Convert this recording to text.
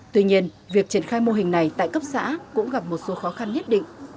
tuy nhiên việc triển khai mô hình này tại cấp xã cũng gặp một số khó khăn nhất định